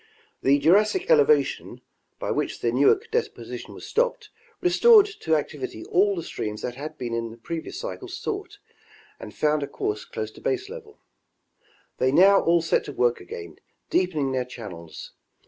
The Jurassic elevation, by which the Newark deposition was stopped, restored to activity all the streams that had in the previous cycle sought and found a course close to baselevel. They now all set to work again deepening their channels.